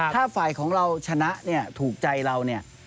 ถ้าฝ่ายของเราชนะถูกใจเรา